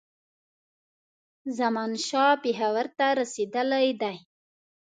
زمانشاه پېښور ته رسېدلی دی.